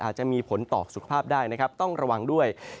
อาจจะมีผลต่อสุขภาพได้นะครับต้องระวังด้วย